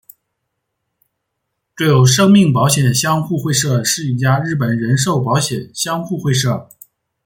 住友生命保险相互会社是一家日本人寿保险相互会社。